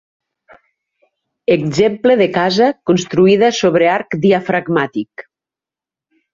Exemple de casa construïda sobre arc diafragmàtic.